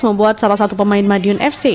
membuat salah satu pemain madiun fc